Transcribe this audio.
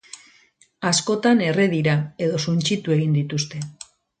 Askotan erre dira, edo suntsitu egin dituzte.